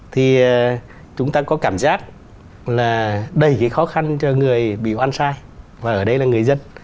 thì chúng ta có cảm giác là đẩy cái khó khăn cho người bị oan sai và ở đây là người dân